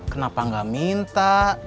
kenapa gak minta